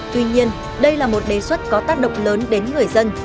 tuy nhiên đây là một đề xuất có tác động lớn đến người dân